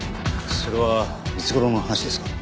それはいつ頃の話ですか？